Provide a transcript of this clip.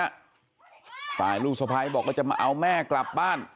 สหายลูกสภัยบอกจะมาเอาแม่กลับบ้าน